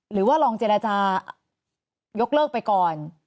หรือว่าลองเจรจายกเลิกไปก่อน